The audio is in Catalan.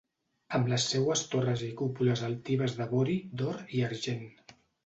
Amb les seues torres i cúpules altives de vori, d’or i argent.